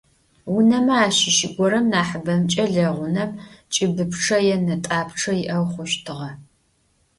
Унэмэ ащыщ горэм, нахьыбэмкӏэ лэгъунэм, кӏыбыпчъэ е нэтӏапчъэ иӏэу хъущтыгъэ.